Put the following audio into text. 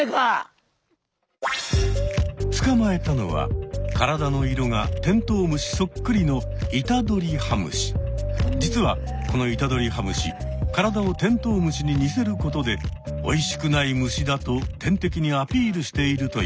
つかまえたのは体の色がテントウムシそっくりの実はこのイタドリハムシ体をテントウムシに似せることでおいしくない虫だと天敵にアピールしているといわれている。